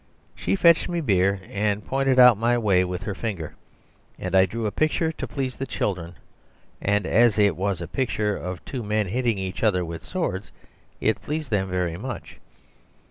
She fetched me beer, and pointed out my way with her finger; and I drew a picture to please the children; and as it was a picture of two men hitting each other with swords, it pleased them very much.